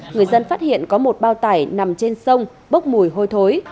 người dân phát hiện có một bao tải nằm trên sông bốc mùi hôi thối